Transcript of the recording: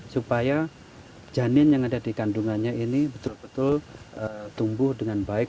supaya janin yang ada di kandungannya ini betul betul tumbuh dengan baik